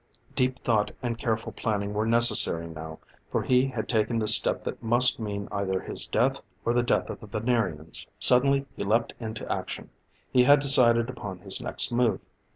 Deep thought and careful planning were necessary now, for he had taken the step that must mean either his death or the death of the Venerians. Suddenly he leaped into action; he had decided upon his next move.